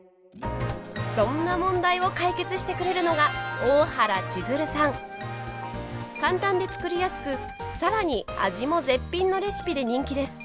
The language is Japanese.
そんな問題を解決してくれるのが簡単で作りやすくさらに味も絶品のレシピで人気です。